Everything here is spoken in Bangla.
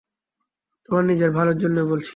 তোমার নিজের ভালোর জন্যেই বলছি।